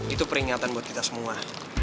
itu peringatan buat kita semua